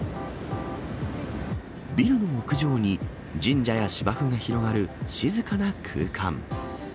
ビルの屋上に、神社や芝生が広がる静かな空間。